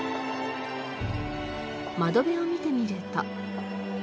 窓辺を見てみると。